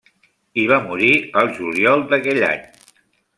Hi va morir al juliol d'aquell any.